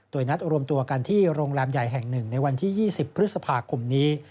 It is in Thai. โดยนัดรวมตัวกันที่โรงแรมใหญ่แห่ง๑ในวันที่๒๐พฤษภาคมนี้